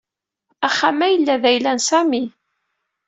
Axxam-a yella d ayla n Sami.